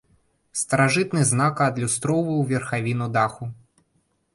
Старажытны знака адлюстроўваў верхавіну даху.